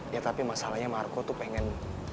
ya tapi masalahnya marco itu pengen